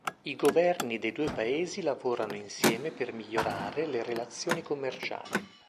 I governi dei due paesi lavorano insieme per migliorare le relazioni commerciali.